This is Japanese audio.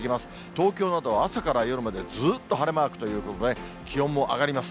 東京などは朝から夜までずっと晴れマークということで、気温も上がります。